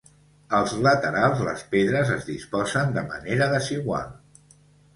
Als laterals les pedres es disposen de manera desigual.